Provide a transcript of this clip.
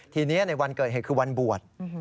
ทีนี้ในวันเกิดเหตุคือวันบวช